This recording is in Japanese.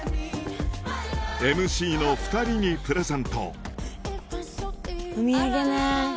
ＭＣの２人にプレゼントお土産ね。